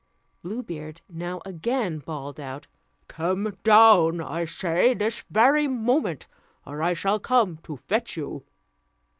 Blue Beard now again bawled out, "Come down, I say, this very moment, or I shall come to fetch you."